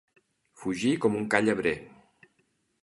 Fugir com un ca llebrer.